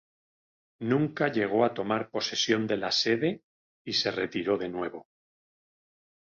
Nunca llegó a tomar posesión de la sede, y se retiró de nuevo.